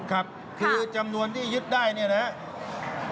ครับคือจำนวนที่ยึดได้เนี่ยนะครับ